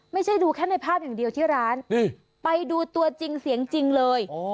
ไม่ใช่ดูแค่ในภาพอย่างเดียวที่ร้านไปดูตัวจริงเสียงจริงเลย